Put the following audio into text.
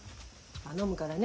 頼むからね。